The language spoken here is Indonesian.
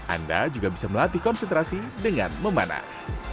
anda juga bisa melatih konsentrasi dengan memanah